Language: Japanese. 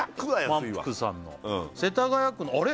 万福さんの「世田谷区の」あれ！？